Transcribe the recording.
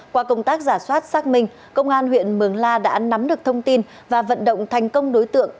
qua công tác giả soát xác minh công an huyện mường la đã nắm được thông tin và vận động thành công đối tượng